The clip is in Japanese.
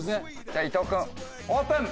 じゃあ伊藤君オープン。